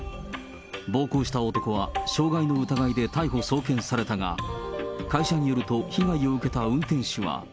暴行した男は傷害の疑いで逮捕・送検されたが、会社によると、被害を受けた運転手は。